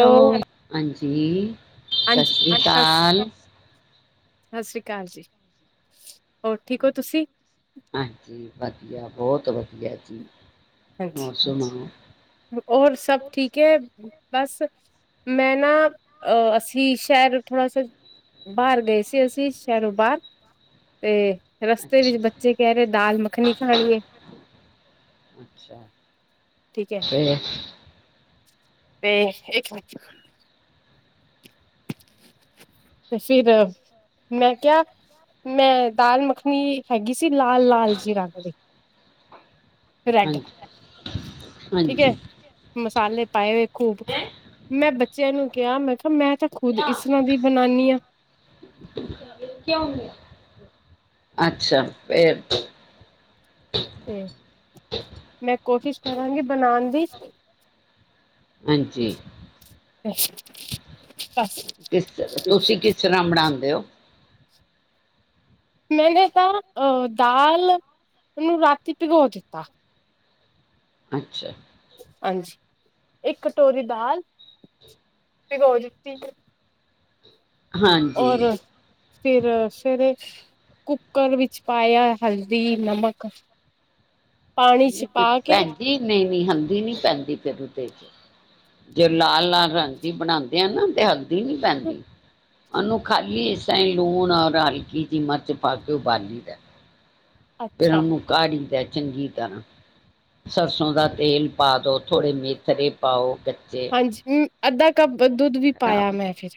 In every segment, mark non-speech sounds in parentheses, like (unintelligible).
Hello ਹਾਂਜੀ ਸਤਿ ਹਾਂਜੀ ਸ਼੍ਰੀ ਸਤਿ ਸ- ਅਕਾਲ। ਸਤਿ ਸ੍ਰੀ ਅਕਾਲ ਜੀ। ਹੋਰ ਠੀਕ ਹੋ ਤੁਸੀਂ। ਹਾਂਜੀ ਵਧੀਆ ਬਹੁਤ ਵਧੀਆ ਧੀਆ ਜੀ ਹੋਰ ਹਾਂਜੀ ਸੁਣਾਓ। ਔਰ ਸਭ ਠੀਕ ਹੈ। ਬਸ, ਮੈਂ ਨਾ ਅਹ ਅਸੀਂ ਸ਼ਹਿਰ ਥੋੜਾ ਸ ਬਾਹਰ ਗਏ ਸੀ। ਅਸੀਂ ਸ਼ਹਿਰੋਂ ਬਾਹਰ ਤੇ ਰਸਤੇ ਵਿੱਚ ਅੱਛਾ। ਬੱਚੇ ਕਹਿ ਰਹੇ ਦਾਲ-ਮੱਖਣੀ ਖਾਣੀ ਹੈ। ਅੱਛਾ ਠੀਕ ਹੈ ਫੇਰ। ਤੇ ਇਕ ਤੇ ਫਿਰ ਮੈਂ ਕਿਹਾ ਮੈਂ ਦਾਲ-ਮੱਖਣੀ ਹੈਗੀ ਸੀ ਲਾਲ-ਲਾਲ ਜੀ ਰੰਗ ਦੇ। (inaudible) ਰੈਡ, ਹਾਂਜੀ ਠੀਕ ਏ ਹਾਂਜੀ ਮਸ ਸਾਲੇ ਪਾਏ ਹੋਏ। ਖੂਬ ਮੈਂ ਬੱਚਿਆਂ ਨੂੰ ਕਿਹਾ ਮੈਂ ਕਿਹਾ ਮੈਂ ਤਾਂ ਖੁਦ ਇਸਰ੍ਹਾਂ ਦੀ ਬਨਾਣੀ ਆਂ। ਅੱਛਾ, ਫੇਰ। ਤੇ ਮੈਂ ਕੋਸ਼ਿਸ਼ ਕਰਾਂਗੀ ਬਣਾਣ ਦੀ। ਹਾਂਜੀ, ਕਿਸ ਤੁਸੀਂ ਕਿਸ ਤਰ੍ਹਾਂ ਬਣਾਦੇ ਔ। ਮੈਨੇ ਤਾਂ ਅਹ ਦਾਲ ਨੂੰ ਰਾਤੀ ਭਿਗੋ ਦਿੱਤਾ। ਅੱਛਾ। ਹਾਂਜੀ, ਇੱਕ ਕਟੋਰੀ ਦਾਲ ਭਿਗੋ ਦਿੱਤੀ। ਹਾਂਜੀ ਔਰ ਫਿਰ ਸਵੇਰੇ ਕੁੱਕਰ ਵਿੱਚ ਪਾਇਆ ਹਲਦੀ, ਨਮਕ ਪਾਣੀ ਚ ਪਾ ਕੇ ਭੈਣਜੀ, ਨਹੀਂ ਨਹੀਂ ਹਲਦੀ ਨੀ ਪੈਂਦੀ ਫਿਰ। ਜੋ ਲਾਲ ਲਾਲ ਰੰਗ ਦੀ ਬਣਾਂਦੇ ਆ ਨਾ ਤੇ ਹਲ ਦੀ ਨੀ ਪੈਂਦੀ। ਉਹਨੂੰ ਖਾਲੀ ਇਸ ਤਾਈ ਲੂਣ ਔਰ ਹਲਕੀ ਜਿਹੀ ਮਿਰਚ ਪਾ ਕੇ ਉਬਾਲੀ ਦਾ ਏ। ਫਿਰ ਅੱਛਾ ਉਹਨੂੰ ਕਾੜੀਦਾ ਏ। ਚੰਗੀ ਤਰ੍ਹਾਂ ਸਰਸੋਂ ਦਾ ਤੇਲ ਪਾ ਦੋ ਥੋੜੇ ਮੇਥਰੇ ਪਾਓ ਕੱਚੇ ਹਾਂਜੀ ਅੱਧਾ ਕੱਪ ਦੁੱਧ ਵੀ ਪਾਇਆ ਖਰਾਬ ਹੋ ਮੈਂ ਫਿਰ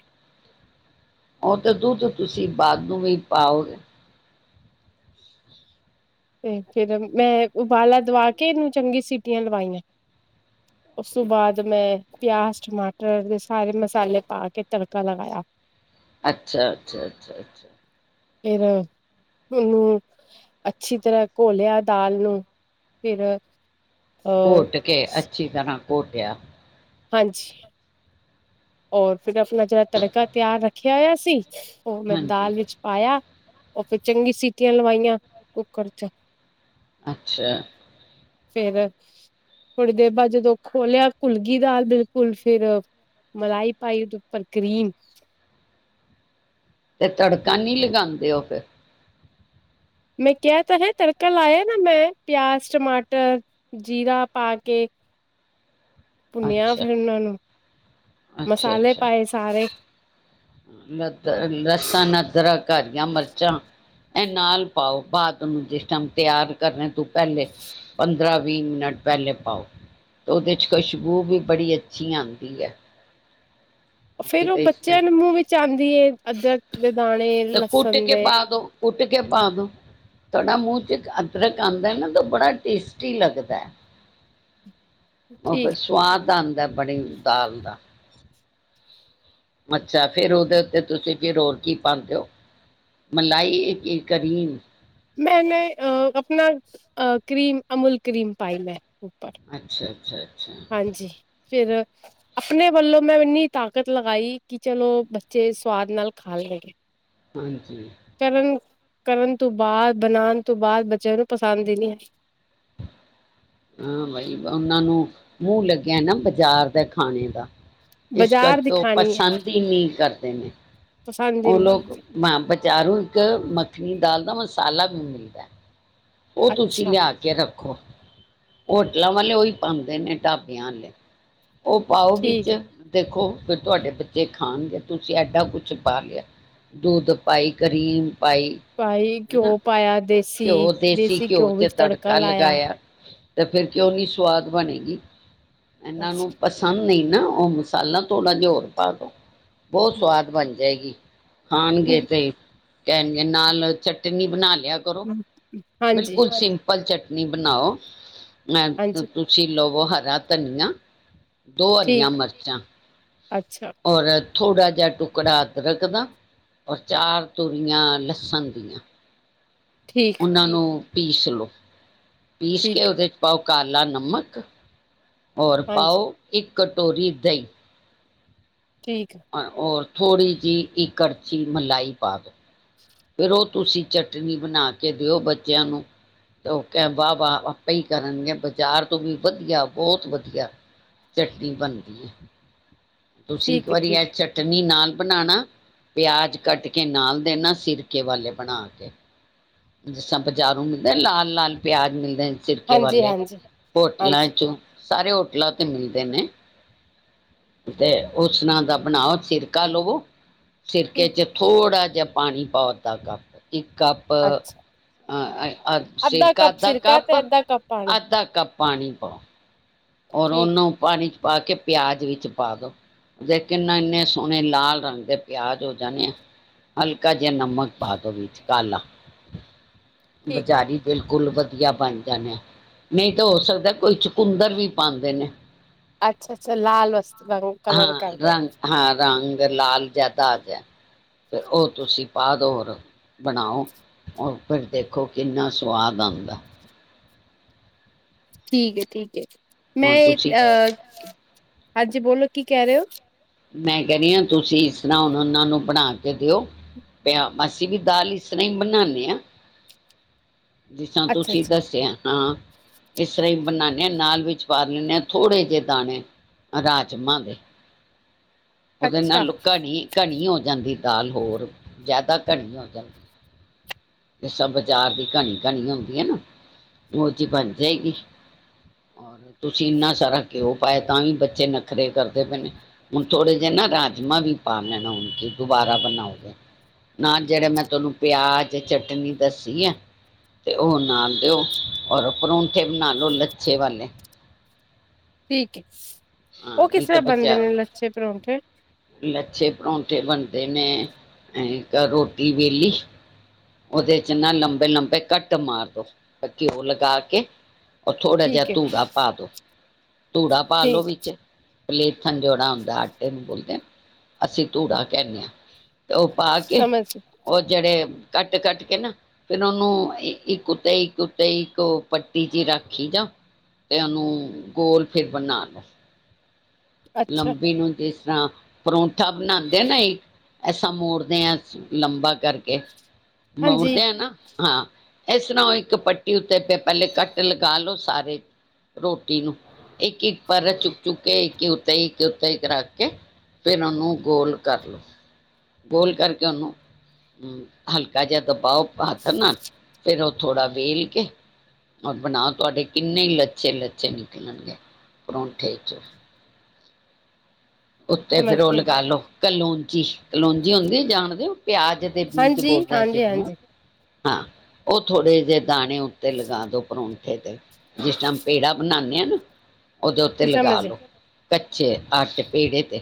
ਉਹ ਤਾਂ ਦੁੱਧ ਤੁਸੀਂ ਬਾਅਦ ਨੂੰ ਵੀ ਪਾਓਗੇ ਤੇ ਫਿਰ ਮੈਂ ਉਬਾਲਾ ਦਵਾ ਕੇ ਇਹਨੂੰ ਚੰਗੀ ਸੀਟੀਆਂ ਲਵਾਈਆਂ ਉਸ ਤੋਂ ਬਾਅਦ ਮੈਂ ਪਿਆਜ ਟਮਾਟਰ ਦੇ ਸਾਰੇ ਮਸਾਲੇ ਪਾ ਕੇ ਤੜਕਾ ਲਗਾਇਆ ਅੱਛਾ ਅੱਛਾ ਅੱਛਾ ਅੱਛਾ ਫਿਰ ਉਹਨੂੰ ਅੱਛੀ ਤਰ੍ਹਾਂ ਘੋਲਿਆ ਦਾਲ ਨੂੰ ਫਿਰ ਘੋਟ ਕੇ ਅੱਛੀ ਤਰ੍ਹਾਂ ਘੋਟਿਆ ਹਾਂਜੀ ਹੋਰ ਫਿਰ ਆਪਣਾ ਜਿਹੜਾ ਤੜਕਾ ਤਿਆਰ ਰੱਖਿਆ ਹੋਆ ਸੀ ਉਹ ਮੈਂ ਹਾਂਜੀ ਦਾਲ ਵਿੱਚ ਪਾਇਆ ਉਹ ਫਿਰ ਚੰਗੀ ਸੀਟੀਆਂ ਲਵਾਈਆਂ ਕੁੱਕਰ ਚ ਅੱਛਾ ਫਿਰ ਥੋੜ੍ਹੀ ਦੇਰ ਬਾਅਦ ਜਦੋਂ ਖੋਲ੍ਹਿਆ ਘੁਲੱਗੀ ਦਾਲ ਬਿਲਕੁਲ ਫਿਰ ਮਲਾਈ ਪਾਈ ਉਹਦੇ ਉੱਪਰ ਕਰੀਮ ਤੇ ਤੜਕਾ ਨਹੀਂ ਲਗਾਉਂਦੇ ਉਹ ਫਿਰ ਮੈਂ ਕਿਹਾ ਤਾਂ ਹੈ ਤੜਕਾ ਲਾਇਆ ਨਾ ਮੈਂ ਪਿਆਜ਼ ਟਮਾਟਰ ਜੀਰਾ ਪਾ ਕੇ ਭੂਨਿਂਆ ਅੱਛਾ ਫਿਰ ਉਹਨਾਂ ਨੂੰ ਮਸਾਲੇ ਪਾਏ ਸਾਰੇ ਲਸਨ ਅਦੱਰਕ ਹਰੀਆਂ ਮਿਰਚਾਂ ਇਹ ਨਾਲ ਪਾਓ ਬਾਅਦ ਉਹਨੂੰ ਜਿਸ ਟਾਈਮ ਤਿਆਰ ਕਰਨੇ ਤੋਂ ਪਹਿਲੇ ਪੰਦਰਾਂ ਵੀਹ ਮਿੰਟ ਪਹਿਲੇ ਪਾਓ ਤੇ ਉਹਦੇ ਚ ਖੁਸ਼ਬੂ ਵੀ ਬੜੀ ਅੱਛੀ ਆਉਂਦੀ ਹੈ ਅਸੀਂ ਫਿਰ ਉਹ ਤੇ ਇਸ ਨੇ ਬੱਚਿਆਂ ਦੇ ਮੂੰਹ ਵਿੱਚ ਆਉਂਦੀ ਹੈ ਅਦਰਕ ਦੇ ਦਾਣੇ ਤੇ ਕੁੱਟ ਲਸਣ ਕੇ ਦੇ ਪਾ ਦੋ ਕੁੱਟ ਕੇ ਪਾ ਦਿਉ ਤੁਹਾਡਾ ਮੂੰਹ ਵਿਚ ਅਦਰਕ ਆਉਂਦਾ ਹੈ ਨਾ ਤਾਂ ਬੜਾ ਟੇਸਟੀ ਲੱਗਦਾ ਹੈ ਫਿਰ ਸਵਾਦ ਆਦਾ। ਬਣੀ ਦਾਲ ਦਾ, ਅੱਛਾ ਫਿਰ ਉਹਦੇ ਉੱਤੇ ਤੁਸੀਂ ਫਿਰ ਹੋਰ ਕੀ ਪਾਦੇ ਹੋ ਮਲਾਈ ਕੀ ਕਰੀਮ, ਮੈਂਨੇ ਆਪਣਾ ਕਰੀਮ ਅਮੁਲ ਕਰੀਮ ਪਾਈ ਮੈਂ, ਅੱਛਾ ਅੱਛਾ ਅੱਛਾ ਹਾਂਜੀ ਫਿਰ, ਆਪਣੇ ਵੱਲੋਂ ਮੈਂ ਇੰਨੀ ਤਾਕਤ ਲਗਾਈ ਕਿ ਚਲੋ ਬੱਚੇ ਸਵਾਦ ਨਾਲ ਖਾ ਲਣਗੇ। ਹਾਂਜੀ, ਕਰਨ ਕਰਨ ਤੋਂ ਬਾਅਦ ਬਣਾਣ ਤੋਂ ਬਾਅਦ ਬੱਚਿਆਂ ਨੂੰ ਪਸੰਦ ਹੀ ਨਹੀਂ ਹੈ। ਹਾਂ ਬਾਈ ਉਹਨਾਂ ਨੂੰ ਮੂੰਹ ਲੱਗਿਆ ਨਾ ਬਾਜ਼ਾਰ ਦਾ ਖਾਣੇ ਦਾ, ਇਸ ਬਾਜ਼ਾਰ ਦੀ ਕਰਕੇ ਉਹ ਖਾਣੀ ਹੈ ਪਸੰਦ ਹੀ ਨਹੀਂ ਕਰਦੇ ਨੇ, ਪਸੰਦ ਹੀ ਉਹ ਨਹੀਂ ਲੋਕ ਆਈ। ਮੈਂ ਬਜਾਂਰੌ ਇੱਕ ਮੱਖਣੀ ਦਾਲ ਦਾ, ਮਸਾਲਾ ਵੀ ਮਿਲਦਾ। ਉਹ ਤੁਸੀਂ ਅੱਛਾ ਲਿਆ ਕੇ ਰੱਖੋ। ਹੋਟਲਾਂ ਵਾਲੇ ਉਹੀ ਪਾਦੇ ਨੇ ਢਾਬਿਆਂ ਵਾਲੇ, ਉਹ ਪਾਓ ਵਿੱਚ ਠੀਕ ਹੈ ਦੇਖੋ, ਫ ਤੁਹਾਡੇ ਬੱਚੇ ਖਾਣਗੇ ਤੁਸੀਂ ਐਡਾ ਕੁਛ, ਪਾ ਲਿਆ ਦੁੱਧ ਪਾਈ ਕਰੀਮ, ਪਾਈ ਭਾਈ ਹਨਾ ਘਿਓ ਪਾਇਆ ਘਿਓ ਦੇਸੀ ਦੇਸੀ-ਦੇਸੀ ਘਿਓ ਵਿੱਚ ਤੜਕਾ ਲਾਇਆ। ਅਤੇ ਫਿਰ ਕਿਉਂ ਨਹੀਂ ਸਵਾਦ ਬਣੇਗੀ। ਇਹਨਾਂ ਬਸ ਨੂੰ ਪਸੰਦ, ਨਹੀਂ ਨਾ ਉਹ ਮਸਾਲਾ ਥੋੜਾ ਜਿਹਾ ਹੋਰ ਪਾ ਦੋ ਬਹੁਤ ਸਵਾਦ ਬਣ ਜਾ, ਜਾਏਗੀ, ਖਾਨਗੇ ਹਮ, ਤੇ, ਕਹਿਣਗੇ ਨਾਲ ਚਟਣੀ ਬਣਾ ਲਈ, ਕਰੋ ਹਮ, ਹਾਂਜੀ ਬਿਲਕੁਲ ਸਿੰਪਲ ਚਟਨੀਂ, ਨੀ ਬਣਾਓ, ਮੈਂ ਹਾਂਜੀ ਤੁਸੀਂ ਲੋ, ਉਹ ਹਰਾ ਧਨੀਆਂ, ਦੋ ਹਰੀਆਂ ਠੀਕ ਮਿਰਚਾਂ, ਅੱਛਾ, ਔਰ ਥੋੜ੍ਹਾ ਜਿਹਾ ਟੁਕੜਾ ਅਦਰਕ ਦਾ ਔਰ ਚਾਰ ਤੂਰੀਆਂ ਲੱਸਣ ਦੀਆਂ। ਠੀਕ ਉਹਨਾਂ ਨੂੰ, ਪੀਸ ਲੋ, ਪੀਸ ਕੇ ਠੀਕ ਉਹਦੇ ਚ ਪਾਓ ਕ ਕਾਲਾ ਨਮਕ, ਹੋਰ ਪਾਓ ਹਾਂਜੀ ਇੱਕ ਕਟੋਰੀ ਦਈ ਠੀਕ ਹੋਰ ਥੋੜੀ ਜਿਹੀ ਇੱਕ ਕੜੱਛੀ ਮਲਾਈ ਪਾ ਦਿਉ ਫਿਰ ਉਹ ਤੁਸੀਂ ਚਟਨੀ ਬਣਾ ਕੇ ਦਿਓ ਬੱਚਿਆਂ ਨੂੰ ਤੇ ਉਹ ਕ ਵਾਹ ਵਾਹ ਆਪਾਂ ਹੀ ਕਰਨਗੇ ਬਾਜ਼ਾਰ ਤੋਂ ਵੀ ਵਧੀਆ ਬਹੁਤ ਵਧੀਆ ਚਟਨੀ ਬਣਦੀ ਹੈ ਤੁਸੀਂ ਇੱਕ ਠੀਕ ਹੈ ਵਾਰੀ ਠੀਕ ਇਹ ਹੈ ਚਟਨੀ ਨਾਲ ਬਣਾਣਾ ਪਿਆਜ ਕੱਟ ਕੇ ਨਾਲ ਦੇਣਾ ਸਿਰਕੇ ਵਾਲੇ ਬਣਾ ਕੇ ਜਿਸੱਸਾਂ ਬਾਜਾਰੂ ਮਿਲਦਾ ਲਾਲ ਲਾਲ ਪਿਆਜ ਮਿਲਦਾ ਸਿਰਕੇ ਹਾਂਜੀ ਵਾਲੇ ਹਾਂਜੀ ਹੋਟਲਾਂ ਹਾਂਜੀ ਚੋਂ ਸਾਰੇ ਹੋਟਲਾਂ ਤੇ ਮਿਲਦੇ ਨੇ ਤੇ ਉਸ ਨਾਲ ਦਾ ਬਣਾਓ ਸਿਰਕਾ ਲਵੋ ਸਿਰਕਿਆ ਠੀਕ ਚ ਥੋੜਾ ਜਾਂ ਪਾਣੀ ਪਾ ਦਾ ਕੱਪ ਇੱਕ ਕੱਪ ਅੱਛਾ ਸਿਰਕਾ ਕੱਪ ਅੱਧਾ ਸਿਰਕਾ ਕੱਪ, ਤੇ ਅੱਧਾ ਕੱਪ ਪਾਣੀ ਅੱਧਾ ਕੱਪ ਪਾਣੀ ਪਾ ਔਰ ਠੀਕ ਹੈ ਉਹਨੂੰ ਪਾਣੀ ਪਾ ਕੇ ਪਿਆਜ ਵਿੱਚ ਪਾ ਦੋ ਦੇ ਕਿਨਾ ਇੰਨੇ ਸੋਹਣੇ ਲਾਲ ਰੰਗ ਦੇ ਪਿਆਜ਼ ਹੋ ਜਾਣੇ ਆ ਹਲਕਾ ਜਿਹਾ ਨਮਕ ਪਾ ਦੋ ਵਿੱਚ ਕਾਲਾ ਠੀਕ ਹੈ ਬਜ਼ਾਰੀ ਬਿਲਕੁਲ ਗੁੱਲ ਵਧੀਆ ਬਣ ਜਾਣੇ ਆ ਨਹੀਂ ਤਾਂ ਹੋ ਸਕਦਾ ਕੋਈ ਚਕੁੰਦਰ ਵੀ ਪਾਉਂਦੇ ਨੇ ਅੱਛਾ ਅੱਛਾ ਲਾਲ ਵਸਤੂ ਦਾ ਉਹ ਕਲਰ ਕਰਕੇ ਫਿਰ ਲਾਲ ਜੈਦਾ ਆ ਜਾ ਫਿਰ ਉਹ ਤੁਸੀਂ ਪਾਾਦੋਰ ਬਣਾਓ ਉਹ ਫਿਰ ਦੇਖੋ ਕਿੰਨਾ ਸਵਾਦ ਆਉਂਦਾ ਠੀਕ ਏ ਠੀਕ ਕ ਮੈਂ ਹੁਣ ਤੁਸੀਂ ਅ ਹਾਂਜੀ। ਬੋਲੋ ਕੀ ਕਹਿ ਰਹੇ ਹੋ। ਮੈਂ ਕਹਿ ਰਹੀ ਹਾਂ ਤੁਸੀਂ ਇਸ ਤਰ੍ਹਾਂ ਹੁਣ ਉਹਨਾਂ ਨੂੰ ਬਣਾ ਕੇ ਦਿਓ ਪਿਆ ਅਸੀਂ ਵੀ ਦਾਲ ਇਸ ਤਰ੍ਹਾਂ ਹੀ ਬਣਾਉਦੇ ਹਾਂ। ਜਿਸਿਸਾਂ ਅੱਛਾ ਤੁਸੀਂ ਅੱਛਾ ਦੱਸਿਆ ਹਾਂ। ਇਸ ਤਰ੍ਹਾਂ ਹੀ ਬਣਾਦੇ ਹਾਂ ਨਾਲ ਵਿੱਚ ਪਾ ਲੈਂਦੇ ਹਾਂ ਥੋੜੇ ਜਿਹੇ ਦਾਣੇ ਰਾਜਮਾਂ ਦੇ ਉਹਦੇ ਅੱਛਾ ਨਾਲ ਘਣੀ, ਘਣੀ ਹੋਦੀ ਜਾਂਦੀ ਦਾਲ ਹੋਰ ਜ਼ਿਆਦਾ ਘਣੀ ਹੋ ਜਾਂਦੀ। ਸ ਬਾਜ਼ਾਰ ਦੀ ਘਣੀ, ਘਣੀ ਹੁੰਦੀ ਹੈ ਨਾ ਉਹ ਚੀ ਬਣ ਜਾਏਗੀ ਰ ਤੁਸੀਂ ਇੰਨਾ ਸਾਰਾ ਘਿਓ ਪਾਏ ਤਾਂ ਵੀ ਬੱਚੇ ਨਖਰੇ ਕਰਦੇ ਪਏ ਨੇ ਹੁਣ ਥੋੜੇ ਜਿਹੇ ਨਾ ਰਾਜਮਾਂ ਵੀ ਪਾ ਲੈਣਾ ਹੁਣ ਕਿ ਦੁਬਾਰਾ ਬਣਾਓਗੇ- ਨਾ ਜਿਹੜੇ ਮੈਂ ਤੁਹਾਨੂੰ ਪਿਆਜ ਚਟਨੀ ਦੱਸੀ ਆ ਤੇ ਉਹ ਨਾ ਦਿਓ ਔਰ ਪਰੋਂਂਠੇ ਬਣਾ ਲਓ ਲੱਛੇ ਵਾਲੇ ਠੀਕ ਏ। ਹਾਂ ਨਹੀਂ ਤਾਂ ਬੱਚਾ ਲੱਛੇ ਪਰੌਂਠੇ ਲੱਛੇ ਪਰੌਂਠੇ ਬਣ ਤੇ ਮੈਂ ਇੱਕ ਰੋਟੀ ਵੇਲੀ ਉਹਦੇ ਚ ਨਾ ਲੰਬੇ ਲੰਬੇ ਕੱਟ ਮਾਰਦੋ ਘਿਓ ਲਗਾ ਕੇ। ਉਹ ਥੋੜ੍ਹਾ ਜਿਹਾ ਠੀਕ ਹੈ ਧੂਗਾ ਪਾ ਦੋ। ਧੂੜਾ ਪਾਾਲ ਲੋ ਠੀਕ ਵੀ ਪਲੀਥਨ ਜੋੜਾ ਹੁੰਦਾ ਆਟੇ ਨੂੰ ਬੋਲਦੇ ਅਸੀਂ ਧੂੜਾ ਕਹਿੰਦੇ ਹਾਂ ਤੇ ਉਹ ਪਾ ਕੇ ਸਮਝ ਉਹ ਜਿਹੜੇ ਕੱਟ ਕੱਟ ਕੇ ਨਾ ਫਿਰ ਉਹਨੂੰ ਇੱਕ ਉੱਤੇ ਇੱਕ ਉੱਤੇ ਇੱਕ ਪੱਟੀ ਚ ਰੱਖੀ ਜਾ ਤੇ ਉਹਨੂੰ ਗੋਲ ਫਿਰ ਬਣਾ ਲੋ। ਅੱਛਾ ਲੰਬੇ ਨੂੰ ਦੇ। ਰਾਮ ਪਰੌਠ ਮੱਠਾ ਬਣਾਉਂਦੇ ਨਾ ਇੱਕ ਐਸਾਂ ਮੋੜਦੇ ਹਾਂ ਲੰਬਾ ਕਰਕੇ। ਮੋੜ ਹਾਂਜੀ ਤੇ ਹੈ ਨਾ ਹਾਂ ਇਸਰਾ ਇੱਕ ਪੱਟੀ ਉੱਤੇ ਪ ਪਹਿਲੇ ਕੱਟ ਲਗਾ ਲਓ। ਸਾਰੇ ਰੋਟੀ ਨੂੰ ਇੱਕ ਇੱਕ ਪਰ ਚੁੱਕ ਚੁੱਕ ਕੇ ਇੱਕ ਤੇਈ ਕੇ ਉਤੇਈ ਰੱਖ ਕੇ ਫੇਰ ਉਹਨੂੰ ਗੋਲ ਕਰ ਲੋ। ਗੋਲ ਕਰਕੇ ਉਹਨੂੰ ਹਮ ਹਲਕਾ ਜਿਹਾ ਦਬਾਓ ਹਥ ਨਾ ਫਿਰ ਉਹ ਥੋੜ੍ਹਾ ਵੇਲ ਕੇ ਔਰ ਬਣਾਓ ਤੁਹਾਡੇ ਕਿੰਨੇ ਲੱਛੇ ਲੱਛੇ ਨਿਕਲਣਗੇ ਪਰੋਠੇ ਚੋਂ ਉੱਤੇ ਸਮਝ ਫੇਰ ਉਹ ਗਈ ਲਗਾਲੋ ਕਲੌਜੀ ਕਲੋਂਜੀ ਹੁੰਦੀ ਜਾਣਦੇ ਹੋ ਪਿਆਜ ਦੇ ਬੀਜ ਹਾਂਜੀ ਬੋਲਦਾ ਹਾਂਜੀ ਜਿਨੂੰ ਹਾਂਜੀ ਹਾਂ ਉਹ ਥੋੜੇ ਜਿਹੇ ਦਾਣੇ ਉੱਤੇ ਲਗਾ ਦਉ ਪਰੋਠੇ ਤੇ ਜਿਸ ਟਮ ਪੇੜਾ ਬਣਾਦੇ ਆ ਨਾ ਉਹਦੇ ਉੱਤੇ ਜੀ ਲਗਾ ਸਮਝ ਗਈ ਲੋੋ ਕੱਚੇ ਆੱਟੇ ਪੇੜੇ ਤੇ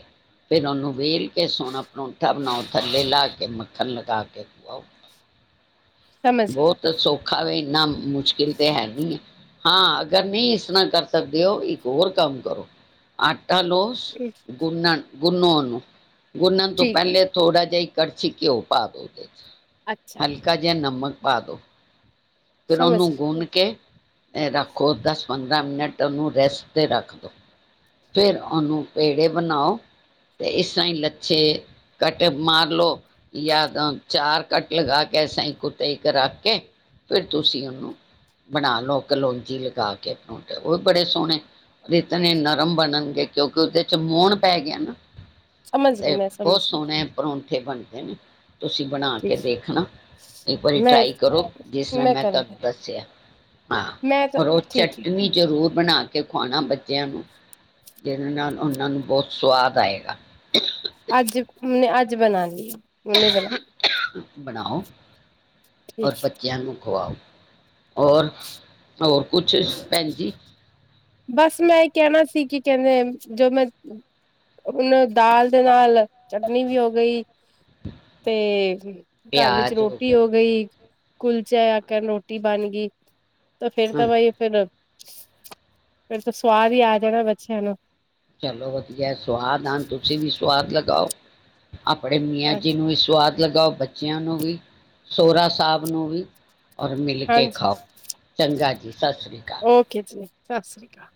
ਫਿਰ ਉਹਨੂੰ ਵੇਲ ਕੇ ਸੋਹਣਾ ਪਰੌਂਠਾ ਬਣਾਓ ਥੱਲੇ ਲਾ ਕੇ ਮੱਖਣ ਲਗਾ ਕੇ ਖਾਓ ਸਮਝ ਬਹੁਤ ਸੌਖਾ ਵੇ ਨਾ ਮੁਸ਼ਕਿਲ ਤਾਂ ਹੈ ਨਹੀਂ ਹੈ ਹਾਂ ਅਗਰ ਨਹੀਂ ਇਸ ਤਰ੍ਹਾਂ ਕਰ ਸਕਦੇ ਹੋ ਇੱਕ ਹੋਰ ਕੰਮ ਕਰੋ। ਅ ਤਲੋਸ਼ ਗਈ ਗੁੰਨਨ ਗੂਨੌ ਉਹਨੂੰ ਗੁੰਨਣ ਤੋਂ ਠੀਕ ਹੈ ਪਹਿਲੇ ਥੋੜ੍ਹਾ ਜਿਹਾ ਈ ਕੜਛੀ ਘਿਉ ਪਾ ਦਿਓ ੳਪਰ ਅੱਛਾ ਹਲਕਾ ਜਿਹਾ ਨਮਕ ਪਾਦੋ ਫਿਰ ਸਮਝ ਉਹਨੂੰ ਗਈ ਗੁੰਨ ਕੇ ਰੱਖੋ ਦਸ ਪੰਦਰਾਂ ਮਿੰਟ ਉਹਨੂੰ ਰੈਸਟ ਤੇ ਰੱਖ ਦੋ ਫਿਰ ਉਹਨੂੰ ਪੇੜੇ ਬਣਾਓ ਤੇ ਇਸ ਤ ਹੀ ਲੱਛੇ ਕੱਟ ਮਾਰ ਲਓ ਜਾਂਦ ਚਾਰ ਕੱਟ ਲਗਾ ਕੇ ਇਸ ਤ ਹੀ ਕੁੱਤੇ ਰੱਖ ਕੇ ਫਿਰ ਤੁਸੀਂ ਉਹਨੂੰ ਬਣਾ ਲਓ। ਕਲੋਂਜੀ ਲਗਾ ਕੇ ਪਰੋਂਠੇ ਉਹ ਬੜੇ ਸੋਹਣੇ ਇਤਨੇ ਨਰਮ ਬਣਨਗੇ ਕਿਉਂਕਿ ਉਹਦੇ ਚ ਮੋਣ ਪੈ ਗਿਆ ਨਾ। ਸਮਝ ਗਈ ਤੇ ਮੈਂ ਬਹੁਤ ਸਮਝ ਗਈ ਸੋਹਣੇ ਪਰੋਂਂਠੇ ਬਣਣ ਹੈ ਨ ਤੁਸੀਂ ਬਣਾ ਕੇ ਠੀਕ ਦੇਖਣਾ ਇੱਕ ਵਾਰੀ ਮੈਂ ਟਰਾਈ ਕਰੋ। ਜਨੇ ਮੈਂ ਤੁਹਾਨੂੰ ਦੱਸਿਆ ਹਾਂ ਔਰ ਉਹ ਚਟਨੀ ਜੋ ਜ਼ਰੂਰ ਬਣਾ ਕੇ ਖਵਾਣਾ ਬੱਚਿਆਂ ਨੂੰ ਜਿਹਦੇ ਨਾਲ ਉਹਨਾਂ ਨੂੰ ਬਹੁਤ ਸਵਾਦ ਆਏਗਾ ਅੱਜ ਮ ਅੱਜ ਬਣਾ ਲਈ (unintelligible) ਬਣਾਓ ਔਰ ਬੱਚਿਆਂ ਨੂੰ ਖੁਆਓ ਹੋਰ ਹੋਰ ਕੁਛ ਪੰਜੀ ਬਸ ਮੈਂ ਇਹ ਕਹਿਣਾ ਸੀ ਕਿ ਕਹਿੰਦੇ ਜੋ ਮੈਂ ਉਹਨ ਦਾਲ ਦੇ ਨਾਲ ਚਟਨੀ ਵੀ ਹੋ ਗਈ ਤੇ ਘਰ ਵਿੱਚ ਪਿਆਜ ਰੋਟੀ ਗਿਆ ਹੋ ਗਈ ਕੁਲਚੇ (unintelligible) ਰੋਟੀ ਬਨ ਗੀ। ਤਾਂ ਫੇਰ ਤਾਂ ਬਾਈ ਹਾਂਜੀ ਫੇਰ ਫੇਰ ਤਾਂ ਸਵਾਦ ਈ ਆ ਜਾਨਾ ਬੱਚਿਆਂ ਨੂੰ ਚਲੋ, ਵਧੀਏ ਸੁਵਾਦ ਹਨ ਤੁਸੀਂ ਵੀ ਸੁਵਾਦ ਲਗਾਓ ਅਪਨੇ ਮੀਆਂ ਜੀ ਨੂੰ ਵੀ ਸਵਾਦ ਲਗਾਓ ਬੱਚਿਆਂ ਨੂੰ ਵੀ, ਸੋਰਾ ਸਾੱਬ ਨੂੰ ਵੀ ਔਰ ਮਿਲ ਕੇ ਖਾਓ ਚੰਗਾ ਜੀ। ਸਤਿ ਸ਼੍ਰੀ ਅਕਾਲ ਔਕੇ ਜੀ। ਸਤਿ ਸ੍ਰੀ ਕਾਲ।